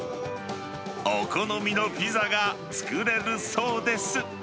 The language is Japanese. お好みのピザが作れるそうです。